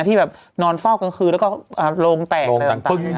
ที่แบบนอนฟอกกลางคืนแล้วก็โลงแตกอะไรต่างนะครับ